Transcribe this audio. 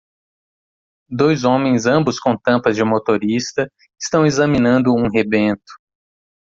Dois homens ambos com tampas de motorista estão examinando um rebento